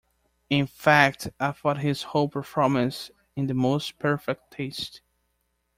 In fact, I thought his whole performance in the most perfect taste.